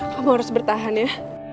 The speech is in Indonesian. kamu harus bertahan ya